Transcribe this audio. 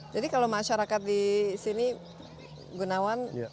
jadi kalau masyarakat di sini gunawan